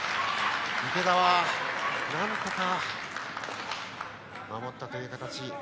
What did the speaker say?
池田はなんとか守ったという形。